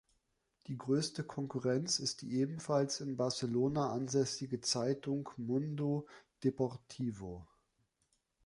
Der größte Konkurrent ist die ebenfalls in Barcelona ansässige Zeitung "Mundo Deportivo".